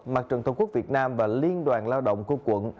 mặt trận tổ quốc việt nam và liên đoàn lao động của quận